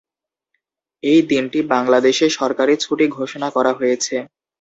এই দিনটি বাংলাদেশে সরকারী ছুটি ঘোষণা করা হয়েছে।